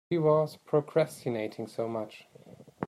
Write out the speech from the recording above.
She was procrastinating so much.